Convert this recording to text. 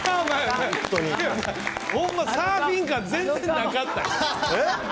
サーフィン感、全然なかった。